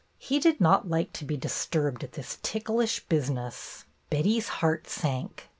He did not like to be disturbed at this ticklish business. Betty's heart sank.